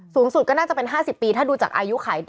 สูงสุดก็น่าจะเป็น๕๐ปีถ้าดูจากอายุไข